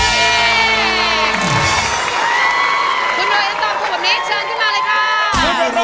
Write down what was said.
คุณหนุ่ยตอบ